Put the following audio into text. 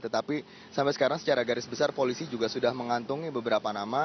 tetapi sampai sekarang secara garis besar polisi juga sudah mengantungi beberapa nama